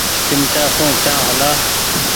چمچآ سون چآنه هلآ۔